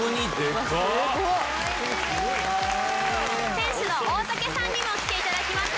店主の大竹さんにも来ていただきました。